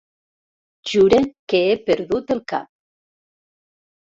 Jure que he perdut el cap.